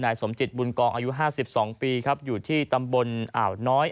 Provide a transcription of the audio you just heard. นายสมจิตบุญกองอายุห้าสิบสองปีครับอยู่ที่ตำบลอ่าวน้อย